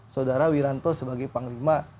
saudara wiranto sebagai panglima